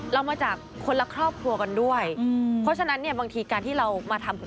เรามาจากคนละครอบครัวกันด้วยเพราะฉะนั้นเนี่ยบางทีการที่เรามาทำ